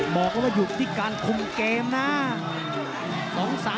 บอกว่าอยู่ที่การคุมเกมนะ